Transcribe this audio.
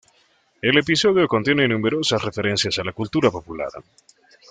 El episodio contiene numerosas referencias a la cultura popular.